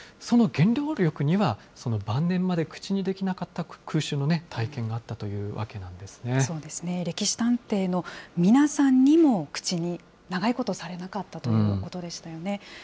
その原動力には、晩年まで口にできなかった空襲の体験があったというわけなんですそうですね、歴史探偵の皆さんにも、口に長いことされなかったということでしたよね。